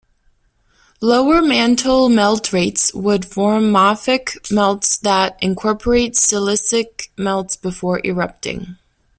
Lower mantle melt rates would form mafic melts that incorporate silicic melts before erupting.